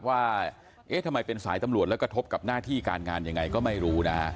ว่าเอ๊ะทำไมเป็นสายตำรวจแล้วกระทบกับหน้าที่การงานยังไงก็ไม่รู้นะ